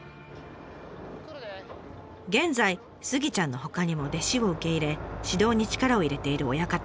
現在スギちゃんのほかにも弟子を受け入れ指導に力を入れている親方。